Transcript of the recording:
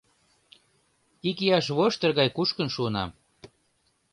Ик ияш воштыр гай кушкын шуынам